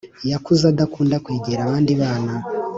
yakuze adakunda kwegera abandi bana